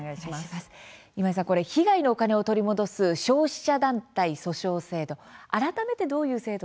今井さん被害のお金を取り戻す消費者団体訴訟制度。